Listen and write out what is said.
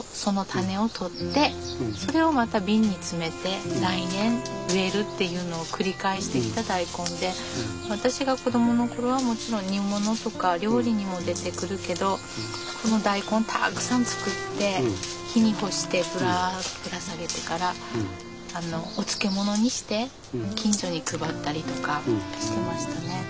昔の人だからっていうのを繰り返してきた大根で私が子どもの頃はもちろん煮物とか料理にも出てくるけどこの大根たくさん作って日に干してぶらっとぶら下げてからお漬物にして近所に配ったりとかしてましたね。